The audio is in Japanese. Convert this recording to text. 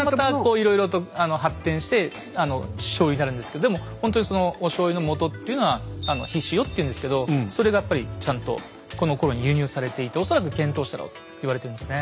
いろいろと発展してしょうゆになるんですけどでもほんとにそのおしょうゆのもとっていうのは「ひしお」って言うんですけどそれがやっぱりちゃんとこのころに輸入されていて恐らく遣唐使だろうと言われてるんですね。